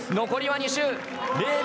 残りは２周。